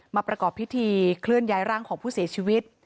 ประกอบพิธีเคลื่อนย้ายร่างของผู้เสียชีวิต